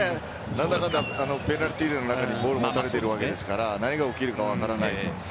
なんだかんだペナルティーエリアの中でボール持たれているわけですから何が起きるか分からない。